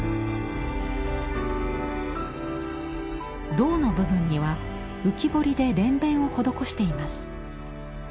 胴の部分には浮き彫りで蓮弁を施しています。